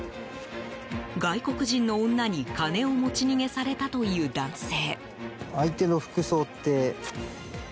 外国人の女に金を持ち逃げされたという男性。